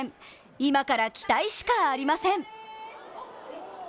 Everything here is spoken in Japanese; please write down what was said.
今から期待しかありません！